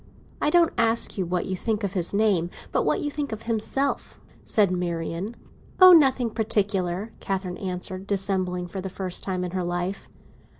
"I don't ask you what you think of his name, but what you think of himself," said Marian. "Oh, nothing particular!" Catherine answered, dissembling for the first time in her life.